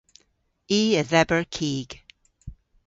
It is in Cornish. I a dheber kig.